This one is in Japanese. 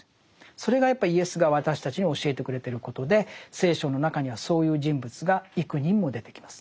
それがやっぱりイエスが私たちに教えてくれてることで聖書の中にはそういう人物が幾人も出てきます。